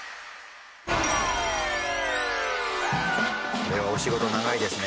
これはお仕事長いですね。